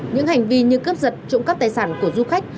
những hành vi như cướp giật trộm cắp tài sản của du khách